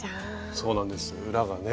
そうなんです裏がね。